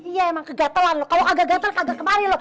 iya emang kegatelan lu kalo kagak gatel kagak kemari lu